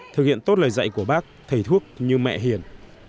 thực hiện tốt lời dạy của bác thầy thuốc như mẹ hiền